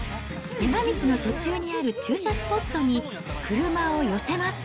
山道の途中にある駐車スポットに、車を寄せます。